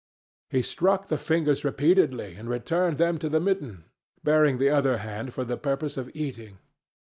He struck the fingers repeatedly and returned them to the mitten, baring the other hand for the purpose of eating.